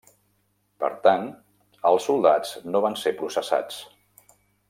Per tant, els soldats no van ser processats.